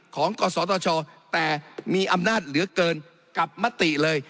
ของกฎสอดชอบแต่มีอำนาจเหลือเกินกลับมะติเลย